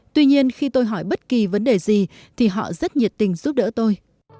tuy nhiên khi tôi hỏi bất kỳ vấn đề gì thì họ rất nhiệt tình giúp đỡ tôi